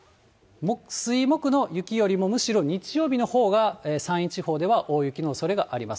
水、木の雪よりも、むしろ日曜日のほうが山陰地方では大雪のおそれがあります。